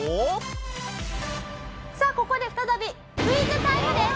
さあここで再びクイズタイムです。